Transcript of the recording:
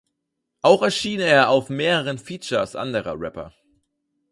Auch erschien er auf mehreren Features anderer Rapper.